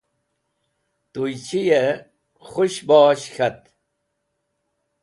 tuychi'ey khushbosh k̃hat